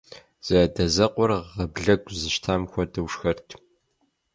Зэадэзэкъуэр гъаблэгу зыщтам хуэдэу шхэрт.